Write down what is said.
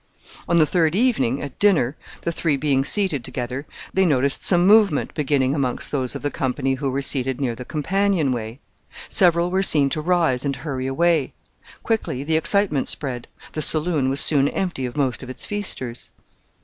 On the third evening, at dinner the three being seated together they noticed some movement beginning amongst those of the company who were seated near the companion way. Several were seen to rise and hurry away. Quickly the excitement spread, the saloon was soon empty of most of its feasters.